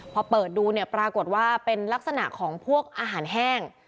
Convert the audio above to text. พอเปิดดูเนี่ยปรากฏว่าเป็นลักษณะของพวกอาหารแห้ง